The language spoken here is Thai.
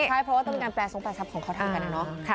ใช่เพราะว่าต้องมีการแปลทรงแปรทรัพย์ของเขาทำกันนะเนาะ